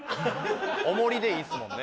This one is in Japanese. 重りでいいですもんね。